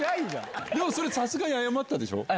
でもそれさすがに謝ったでしょ？